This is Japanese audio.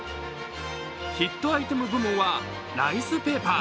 ヒットアイテム部門はライスペーパー。